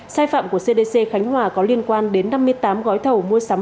sai phạm của cdc khánh hòa có liên quan đến năm mươi tám gói thầu mua sắm